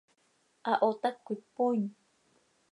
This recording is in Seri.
¿Hahoot hac cöitpooin?